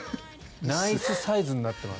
ナイスサイズになってます。